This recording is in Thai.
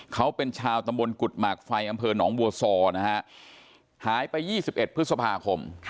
เขาเป็นชาวตำบลกุฎหมากไฟอำเภอหนองบัวซอนะฮะหายไป๒๑พฤษภาคม